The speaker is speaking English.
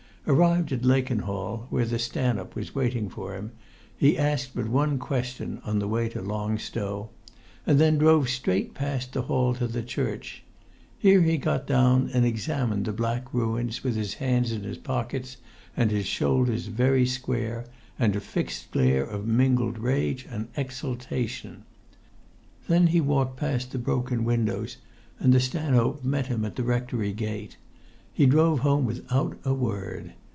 Arrived at Lakenhall, where the stanhope was waiting for him, he asked but one question on the way to Long Stow, and then drove straight past the hall to the church. Here he got[Pg 84] down, and examined the black ruins with his hands in his pockets and his shoulders very square and a fixed glare of mingled rage and exultation. Then he walked past the broken windows, and the stanhope met him at the rectory gate. He drove home without a word.